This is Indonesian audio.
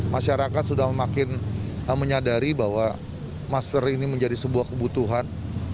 masyarakat sudah makin menyadari bahwa masker ini menjadi sebuah kebutuhan